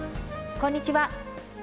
こんにちは。